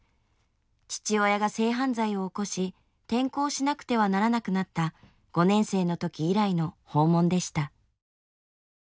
父親が性犯罪を起こし転校しなくてはならなくなった５年生の時以来の訪問でした。